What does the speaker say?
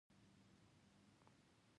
وړانګه د فضا له لارې تودوخه انتقالوي.